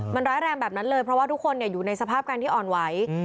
มันร้ายแรงแบบนั้นเลยเพราะว่าทุกคนอยู่ในสภาพการที่อ่อนไหว